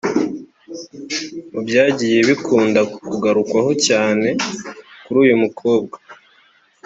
Mu byagiye bikunda kugarukwaho cyane kuri uyu mukobwa